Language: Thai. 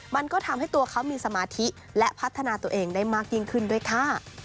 มันก็ทำให้ตัวเขามีสมาธิและพัฒนาตัวเองได้มากยิ่งขึ้นด้วยค่ะ